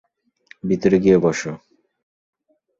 ভিতরে গিয়ে বসো।